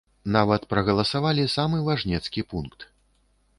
Нават прагаласавалі самы важнецкі пункт.